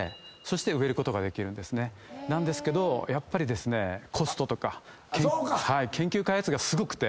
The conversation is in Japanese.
なんですけどやっぱりコストとか研究開発費がすごくて。